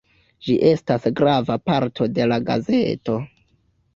Ĝi estas grava parto de la gazeto.